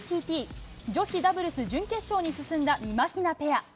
女子ダブルス準決勝に進んだみまひなペア。